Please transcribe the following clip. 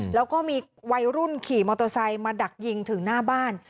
แล้วก็มีวัยรุ่นขี่มอเตอร์ไซค์มาดักยิงถึงหน้าบ้าน